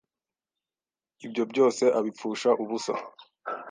ibyo byose abipfusha ubusa